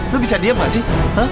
lo bisa diem gak sih